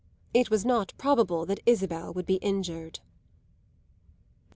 It was not probable that Isabel would be injured.